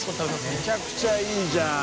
めちゃくちゃいいじゃん。